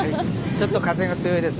ちょっと風が強いですね。